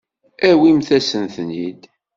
Awimt-asen-ten-id.